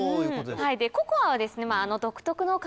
ココアはですね。